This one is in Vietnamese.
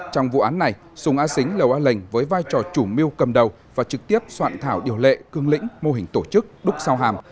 trong vụ án này sùng a xính lầu a lệnh với vai trò chủ mưu cầm đầu và trực tiếp soạn thảo điều lệ cương lĩnh mô hình tổ chức đúc sao hàm